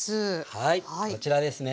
はいこちらですね。